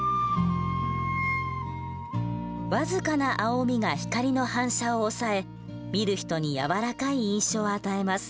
僅かな青みが光の反射を抑え見る人に柔らかい印象を与えます。